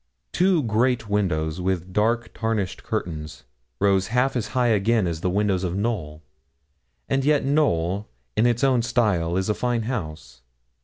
Two great windows, with dark and tarnished curtains, rose half as high again as the windows of Knowl; and yet Knowl, in its own style, is a fine house.